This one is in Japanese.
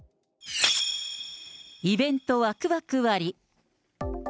イベントワクワク割。